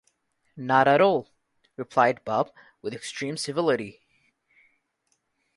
'Not at all,’ replied Bob, with extreme civility.